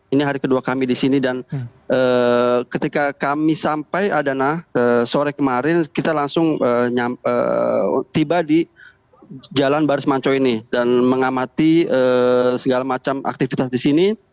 ini hari kedua kami di sini dan ketika kami sampai adana sore kemarin kita langsung tiba di jalan baris manco ini dan mengamati segala macam aktivitas di sini